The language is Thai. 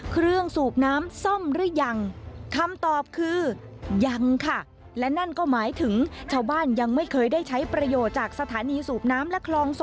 เครื่องสูบน้ำซ่อมหรือยังคำตอบคือยังค่ะ